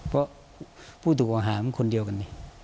เพราะผู้ถูกออกหามันคนเดียวกัน